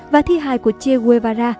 và thi hài của che guevara